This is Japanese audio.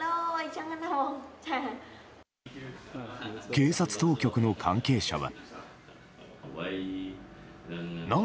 警察当局の関係者は。